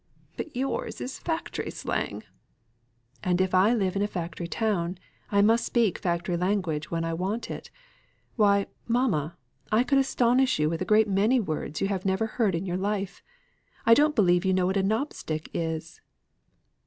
"But yours is factory slang." "And if I live in a factory town, I must speak factory language when I want it. Why, mamma, I could astonish you with a great many words you never heard in your life. I don't believe you know what a knobstick is."